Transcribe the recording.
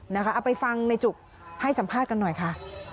เอาไปฟังในจุกให้สัมภาษณ์กันหน่อยค่ะ